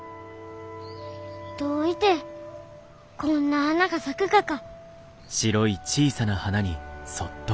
どういてこんな花が咲くがか。